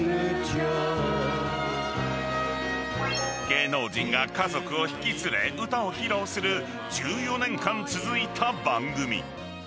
［芸能人が家族を引き連れ歌を披露する１４年間続いた番組］